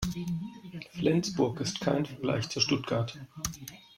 Flensburg ist kein Vergleich zu Stuttgart